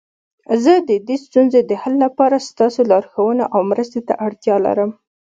زه د دې ستونزې د حل لپاره ستاسو لارښوونو او مرستي ته اړتیا لرم